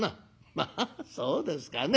「まあそうですかね。